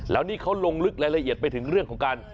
แล้วนี่เขาลงลึกรายละเอียดไปถึงเรื่องของการ